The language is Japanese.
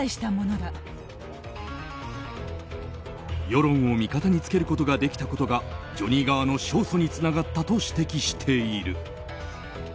世論を味方につけることができたことがジョニー側の勝訴につながったと指摘している。